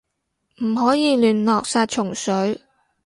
唔可以亂落殺蟲水